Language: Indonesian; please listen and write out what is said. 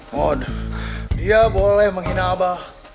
mohon dia boleh menghina abah